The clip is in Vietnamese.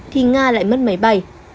thì nga lại mất máy bay